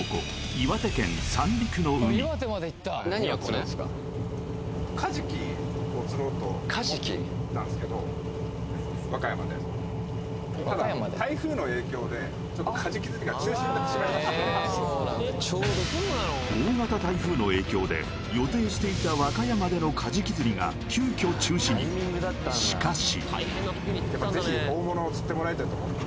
岩手県三陸の海カジキになってしまいまして大型台風の影響で予定していた和歌山でのカジキ釣りが急きょ中止にしかし